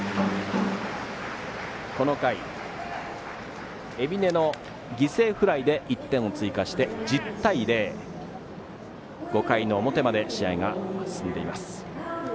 この回、海老根の犠牲フライで１点を追加して１０対０５回の表まで試合が進んでいます。